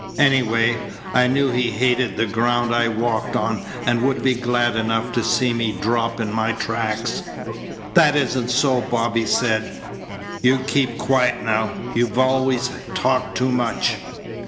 Anyway, I knew he hated the ground I walked on and would be glad enough to see me drop in my tracks." "That isn't so," Bobby said. "You keep quiet now. You always talked too much."